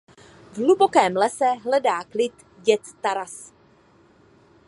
V hlubokém lese hledá klid děd Taras.